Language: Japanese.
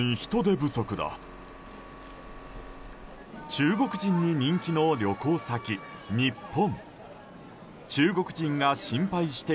中国人に人気の旅行先、日本。